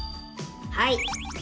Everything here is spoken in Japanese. はい。